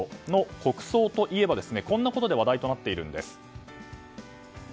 国葬といえばこんなことで話題となっているんです。